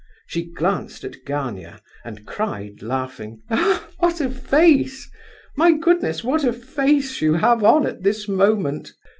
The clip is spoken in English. She glanced at Gania, and cried, laughing, "What a face! My goodness, what a face you have on at this moment!"